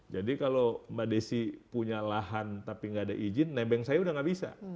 jadi kalau mbak desi punya lahan tapi nggak ada izin nebeng saya udah nggak bisa